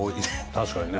確かにね。